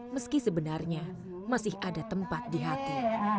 meski sebenarnya masih ada tempat di hati